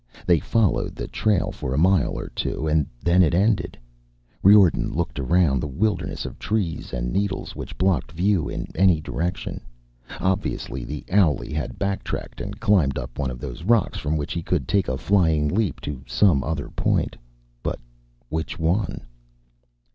They followed the trail for a mile or two and then it ended. Riordan looked around the wilderness of trees and needles which blocked view in any direction. Obviously the owlie had backtracked and climbed up one of those rocks, from which he could take a flying leap to some other point. But which one?